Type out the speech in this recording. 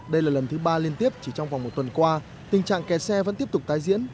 đây là lần thứ ba liên tiếp chỉ trong vòng một tuần qua tình trạng kẹt xe vẫn tiếp tục tái diễn